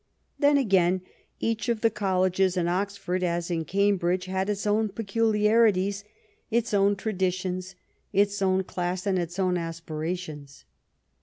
Then, again, each of the colleges in Oxford, as in Cambridge, had its own peculiarities, its own traditions, its own class, and its own aspirations.